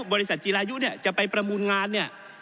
บริษัทจีรายุเนี่ยจะไปประมูลงานเนี่ย